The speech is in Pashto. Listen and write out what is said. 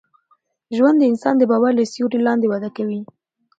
ژوند د انسان د باور له سیوري لاندي وده کوي.